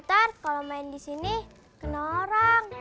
ntar kalau main di sini kena orang